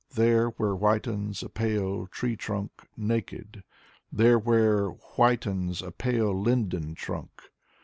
There where whitens a pale tree trunk, naked. There where whitens a pale linden trunk.